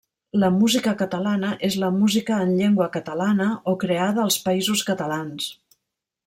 La música catalana és la música en llengua catalana o creada als Països Catalans.